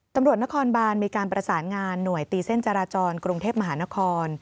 ตำรวจนครบานมีการประสานงานหน่วยตีเส้นจราจรกรุงเทพมหานคร